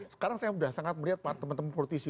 sekarang saya sudah sangat melihat teman teman politisi